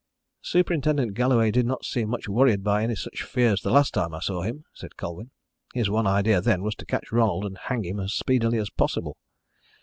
"Superintendent Galloway did not seem much worried by any such fears the last time I saw him," said Colwyn. "His one idea then was to catch Ronald and hang him as speedily as possible."